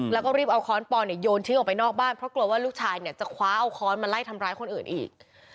แล้วก็รีบเอาค้อนปอนเนี่ยโยนทิ้งออกไปนอกบ้านเพราะกลัวว่าลูกชายเนี่ยจะคว้าเอาค้อนมาไล่ทำร้ายคนอื่นอีก